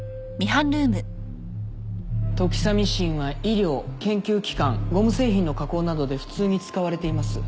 トキサミシンは医療研究機関ゴム製品の加工などで普通に使われています。